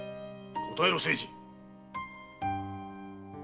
答えろ清次！